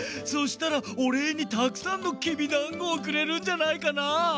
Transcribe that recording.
そうしたらおれいにたくさんのきびだんごをくれるんじゃないかな？